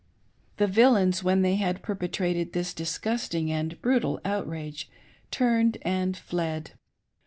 The villains, when they had perpetrated this disgusting and brutal outrage, turned and fled.